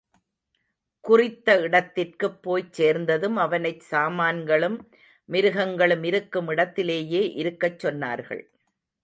குறித்த இடத்திற்குப் போய்ச் சேர்ந்ததும் அவனைச் சாமான்களும் மிருகங்களும் இருக்கும் இடத்திலேயே இருக்கச் சொன்னார்கள்.